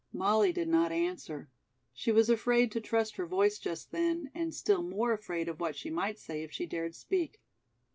Molly did not answer. She was afraid to trust her voice just then, and still more afraid of what she might say if she dared speak.